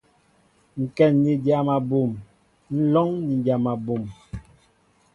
Ŋkɛn ni dyam abum, nlóŋ ni dyam abum.